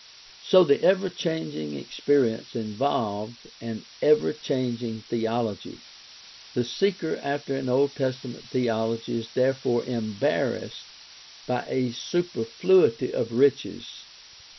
So the ever changing experience involved an ever changing theology. The seeker after an Old Testament theology is therefore embarrassed by a superfluity of riches.